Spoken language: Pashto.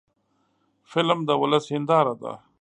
فلم د ولس هنداره ده